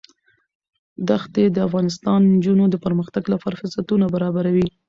دښتې د افغان نجونو د پرمختګ لپاره فرصتونه برابروي.